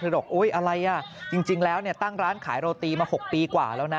บอกโอ๊ยอะไรอ่ะจริงแล้วตั้งร้านขายโรตีมา๖ปีกว่าแล้วนะ